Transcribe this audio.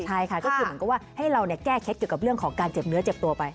ใช่ค่ะก็คือเหมือนกับว่าให้เราแก้เคล็ดเกี่ยวกับเรื่องของการเจ็บเนื้อเจ็บตัวไป